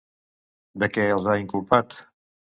De què els ha inculpat?